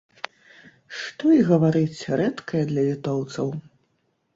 Што і гаварыць, рэдкае для літоўцаў.